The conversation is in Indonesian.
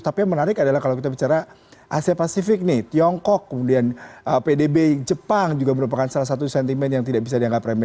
tapi yang menarik adalah kalau kita bicara asia pasifik nih tiongkok kemudian pdb jepang juga merupakan salah satu sentimen yang tidak bisa dianggap remeh